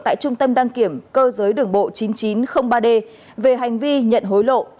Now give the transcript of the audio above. tại trung tâm đăng kiểm cơ giới đường bộ chín mươi chín ba d về hành vi nhận hối lộ